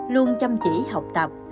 luôn chăm chỉ học tập